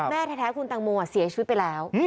แม่แท้คุณตังโมเสียชีวิตไปแล้ว